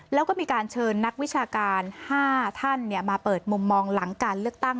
แล้วก็มีการเชิญนักวิชาการ๕ท่านมาเปิดมุมมองหลังการเลือกตั้ง